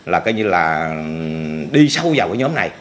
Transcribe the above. là coi như là đi sâu vào cái nhóm này